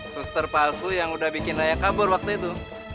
suster palsu yang udah bikin ayah kabur waktu itu